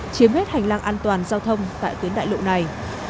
chiếm hết hành lang an toàn giao thông tại tuyến đại lộ này